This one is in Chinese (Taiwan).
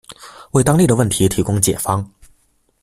為當地的問題提供解方